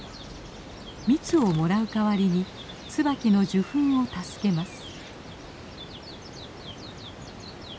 蜜をもらう代わりにツバキの受粉を助けます。